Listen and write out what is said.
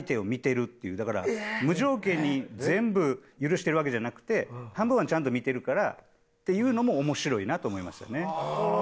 だから無条件に全部許してるわけじゃなくて半分はちゃんと見てるからっていうのも面白いなと思いましたね。